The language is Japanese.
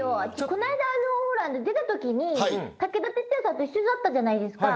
この間、出たときに武田鉄矢さんと一緒だったじゃないですか。